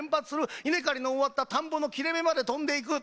稲刈りの終わった田んぼの切れ目まで飛んでいく。